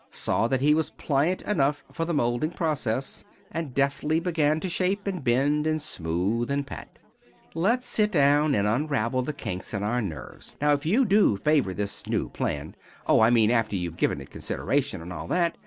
saw that he was pliant enough for the molding process, and deftly began to shape, and bend, and smooth and pat. "Let's sit down, and unravel the kinks in our nerves. Now, if you do favor this new plan oh, I mean after you've given it consideration, and all that!